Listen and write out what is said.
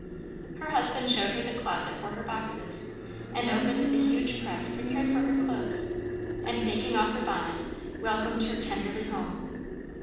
Her husband showed her the closet for her boxes, and opened the huge press prepared for her clothes; and taking off her bonnet, welcomed her tenderly home.